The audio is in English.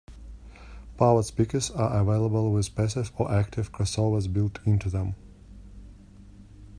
Powered speakers are available with passive or active crossovers built into them.